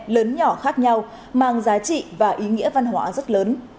lớn nhỏ khác nhau mang giá trị và ý nghĩa văn hóa rất lớn